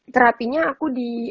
terapinya aku di